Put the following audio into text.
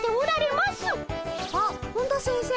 あっ本田先生。